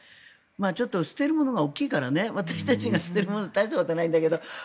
ちょっと捨てるものが大きいから私たちが捨てるものは大したことないんだけど。